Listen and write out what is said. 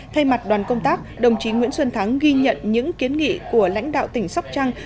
thay mặt đoàn công tác đồng chí nguyễn xuân thắng ghi nhận những kiến nghị của lãnh đạo tỉnh sóc trăng